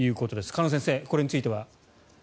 鹿野先生、これについては。